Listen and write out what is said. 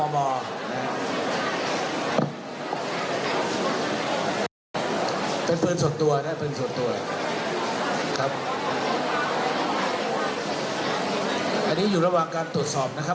อันนี้อยู่ระหว่างการตรวจสอบนะครับ